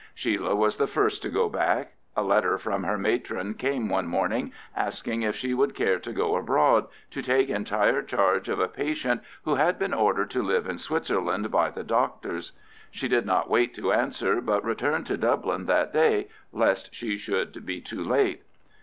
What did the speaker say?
Sheila was the first to go back. A letter from her matron came one morning asking if she would care to go abroad, to take entire charge of a patient who had been ordered to live in Switzerland by the doctors. She did not wait to answer, but returned to Dublin that day, lest she should be too late.